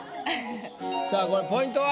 さあこれポイントは？